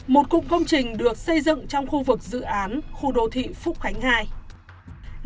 một cục công trình được xây dựng trong khu vực dự án khu đô thị phúc khánh ii